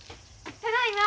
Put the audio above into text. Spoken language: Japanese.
ただいま。